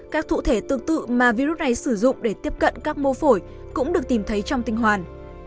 các cụ thể tương tự mà virus này sử dụng để tiếp cận các mô phổi cũng được tìm thấy trong tinh hoàn